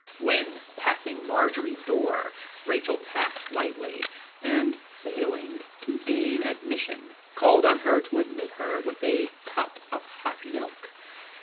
When passing Marjory's door, Rachel tapped lightly, and failing to gain admission, called on her to admit her with a cup of hot milk.